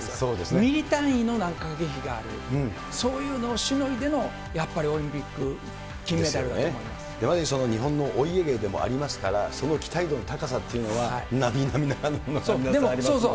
ミリ単位の駆け引きがある、そういうのをしのいでのやっぱりオリンピック金メダルだと思いままさに日本のお家芸でもありますから、その期待度の高さっていうのは、なみなみならぬものがありますよね。